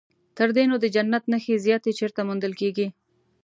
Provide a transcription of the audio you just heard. تر دې نو د جنت نښې زیاتې چیرته موندل کېږي.